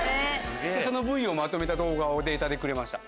そのＶＴＲをまとめた動画をデータでくれました。